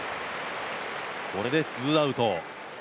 これでツーアウト。